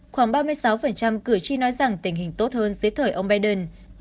khoảng ba mươi sáu cử tri nói rằng tình hình tốt hơn dưới thời ông biden